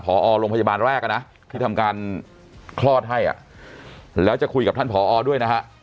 พอโรงพยาบาลแรกอ่ะนะที่ทำการคลอดให้อ่ะแล้วจะคุยกับท่านผอด้วยนะฮะ